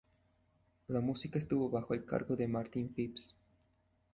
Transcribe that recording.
La música estuvo bajo el cargo de Martin Phipps.